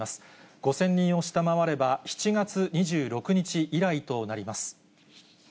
５０００人を下回れば、７月２６日以来となります。